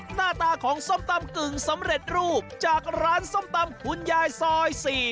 หน้าตาของส้มตำกึ่งสำเร็จรูปจากร้านส้มตำคุณยายซอย๔